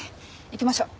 行きましょう。